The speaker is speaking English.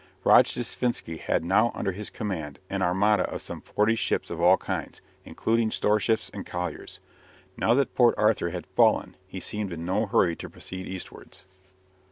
Rojdestvensky had now under his command an armada of some forty ships of all kinds, including storeships and colliers. Now that Port Arthur had fallen he seemed in no hurry to proceed eastwards.